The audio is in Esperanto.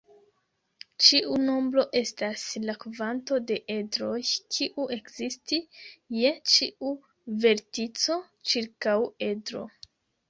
Ĉiu nombro estas la kvanto de edroj kiu ekzisti je ĉiu vertico ĉirkaŭ edro.